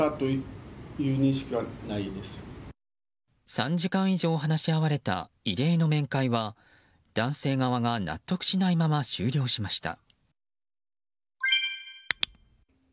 ３時間以上話し合われた異例の面会は男性側が納得しないまま終了しました。